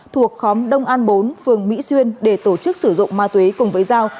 thuộc khóm đông an bốn phường mỹ xuyên để tổ chức sử dụng ma túy cùng với giao